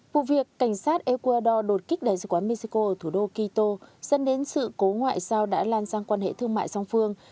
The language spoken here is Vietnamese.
vụ việc cảnh sát ecuador đột kích đại sứ quán mexico ở thủ đô quito dẫn đến sự cố ngoại giao đã lan sang quan hệ thương mại song phương